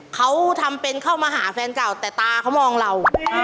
เขาทำเป็นเข้ามาหาแฟนเก่าแต่ตาเขามองเรา